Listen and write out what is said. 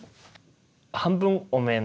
半分お面。